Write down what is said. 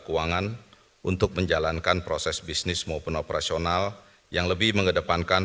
keuangan untuk menjalankan proses bisnis maupun operasional yang lebih mengedepankan